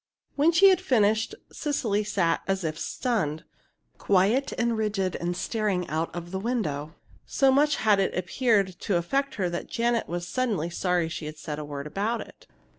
When she had finished, Cecily sat as if stunned quiet and rigid and staring out of the window. So much had it appeared to affect her that Janet was suddenly sorry she had said a word about it.